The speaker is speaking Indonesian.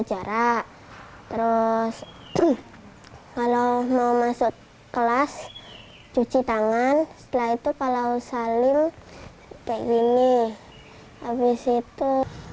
jarak terus kalau mau masuk kelas cuci tangan setelah itu kalau salim kayak gini habis itu